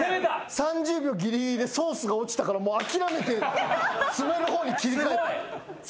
３０秒ぎりぎりでソースが落ちたから諦めて詰める方に切り替えた。